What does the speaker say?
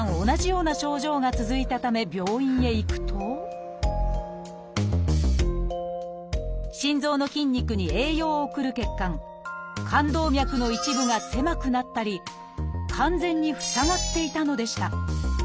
同じような症状が続いたため病院へ行くと心臓の筋肉に栄養を送る血管冠動脈の一部が狭くなったり完全に塞がっていたのでした。